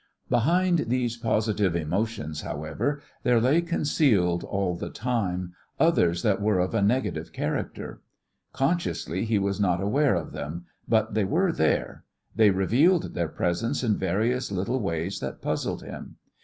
Behind these positive emotions, however, there lay concealed all the time others that were of a negative character. Consciously, he was not aware of them, but they were there; they revealed their presence in various little ways that puzzled him.